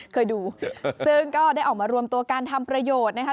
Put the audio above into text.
เคยดูซึ่งก็ได้ออกมารวมตัวการทำประโยชน์นะคะ